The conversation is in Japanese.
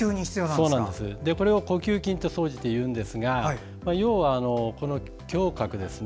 これを呼吸筋と総じていうんですが要は、胸郭ですね